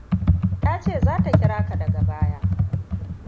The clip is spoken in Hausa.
Ta ce za ta kira ka daga baya.